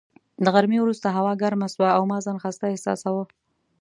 له غرمې وروسته هوا ګرمه شوه او ما ځان خسته احساس کاوه.